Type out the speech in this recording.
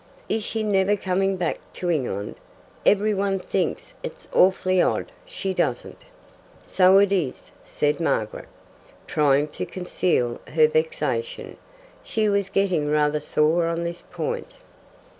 "Is she never coming back to England? Every one thinks it's awfully odd she doesn't." "So it is," said Margaret, trying to conceal her vexation. She was getting rather sore on this point.